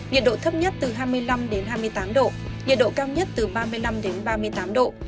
nhiệt độ thấp nhất từ hai mươi năm đến hai mươi tám độ nhiệt độ cao nhất từ ba mươi năm ba mươi tám độ